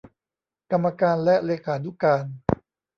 กรรมการและเลขานุการ